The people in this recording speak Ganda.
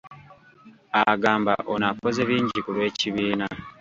Agamba ono akoze bingi ku lw’ekibiina.